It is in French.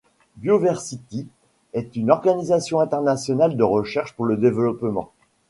Bioversity est une organisation internationale de recherche pour le développement.